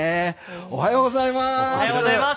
おはようございます。